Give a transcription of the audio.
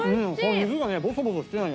肉がねボソボソしてないね。